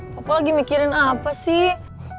papa lagi mikirin apa sih